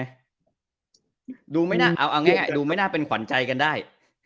เอาง่ายดูไม่น่าเป็นขวัญใจกันได้